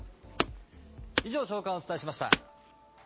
以上、朝刊をお伝えしました。